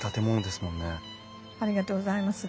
ありがとうございます。